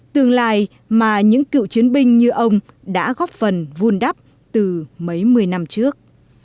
tương lai mà những cựu chiến binh như ông đã góp phần vun đắp từ mấy mươi năm trước